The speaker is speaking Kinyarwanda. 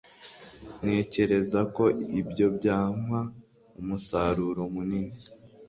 Ntekereza ko ibyo byampa umusaruro munini.